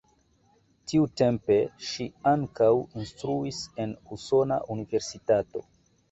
Tiutempe ŝi ankaŭ instruis en usona universitato.